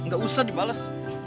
gak usah dibalas